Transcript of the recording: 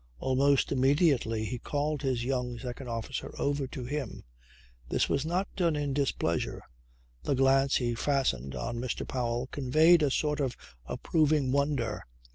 Almost immediately he called his young second officer over to him. This was not done in displeasure. The glance he fastened on Mr. Powell conveyed a sort of approving wonder.